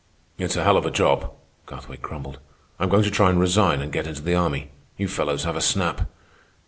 "It's a hell of a job," Garthwaite grumbled. "I'm going to try and resign and get into the army. You fellows have a snap."